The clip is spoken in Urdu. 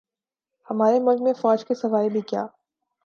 ہمارے ملک میں فوج کے سوا ھے بھی کیا